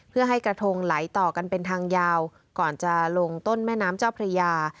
เพื่อให้กระทงไหลต่อกันเป็นทางยาวก่อนจะลงต้นแม่น้ำเจ้าพระยา